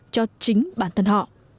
cho chính bản thân họ